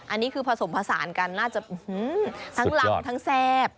อันนี้คือผสมผสานกันน่าจะทั้งลำทั้งแซ่บ